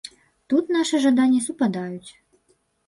Тут нашы жаданні супадаюць.